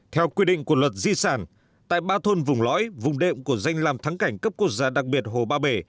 theo quy định của luật di sản tại ba thôn vùng lõi vùng đệm của danh làm thắng cảnh cấp quốc gia đặc biệt hồ ba bể